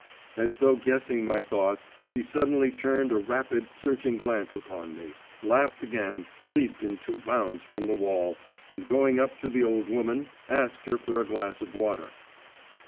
As though guessing my thoughts, she suddenly turned a rapid, searching glance upon me, laughed again, leaped in two bounds from the wall, and going up to the old woman, asked her for a glass of water.